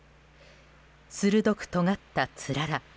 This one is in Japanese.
鋭くとがったつらら。